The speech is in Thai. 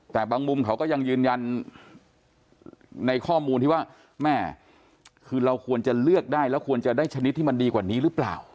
แต่บางมุมเขาก็ยังยืนยันในข้อมูลที่ว่าแม่คือเราควรจะเลือกได้แล้วควรจะได้ชนิดที่มันดีกว่านี้หรือเปล่า